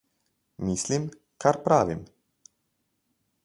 Mislim, kar pravim.